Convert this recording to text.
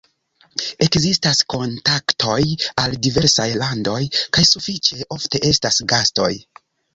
Ekzistas kontaktoj al diversaj landoj kaj sufiĉe ofte estas gastoj.